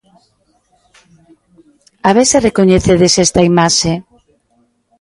A ver se recoñecedes esta imaxe?